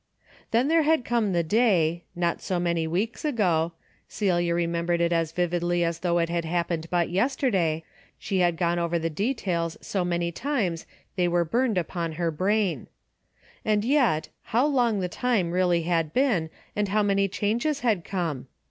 Then had come the day, — not so many weeks ago : Celia remembered it as vividly as though it had happened but yesterday; she had gone over the details so many times they were burned upon her brain. And yet, how long the time really had been and how many changes had come